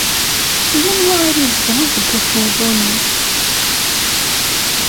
Ay Anwa ara izedɣen deg uqiḍun-ik?